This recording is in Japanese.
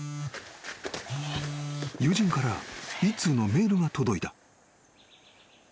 ［友人から１通のメールが届いた］